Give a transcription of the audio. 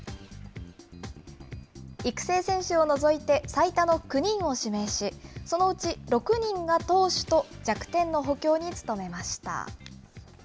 育成選手を除いて、最多の９人を指名し、そのうち６人が投手と弱点の補強に努めました。